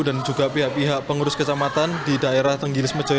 dan juga pihak pihak pengurus kesamatan di daerah tenggilismejoe